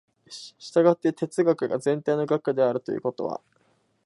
従って哲学が全体の学であるということは、